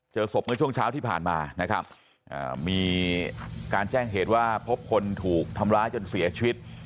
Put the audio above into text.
เจอศพเมื่อช่วงเช้าที่ผ่านมานะครับมีการแจ้งเหตุว่าพบคนถูกทำร้ายจนเสียชีวิต